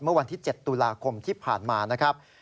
เมื่อวันที่๗ตุลาคมที่ผ่านมานะครับ